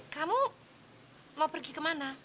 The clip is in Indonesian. kamu mau pergi kemana